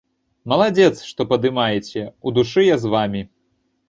Маладзец, што падымаеце, у душы я з вамі.